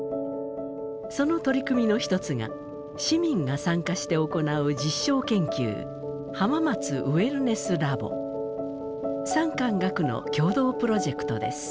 その取り組みの一つが市民が参加して行う実証研究産官学の共同プロジェクトです。